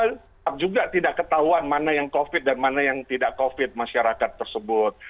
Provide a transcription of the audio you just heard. tetap juga tidak ketahuan mana yang covid dan mana yang tidak covid masyarakat tersebut